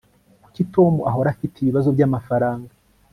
kuki tom ahora afite ibibazo byamafaranga